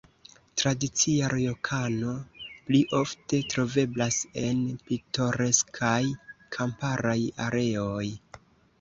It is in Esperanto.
Tradicia rjokano pli ofte troveblas en pitoreskaj kamparaj areoj.